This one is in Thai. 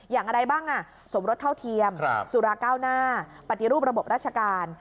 อย่างไรบ้างสมรสเท่าเทียมสุราเก้าหน้าปฏิรูประบบราชการ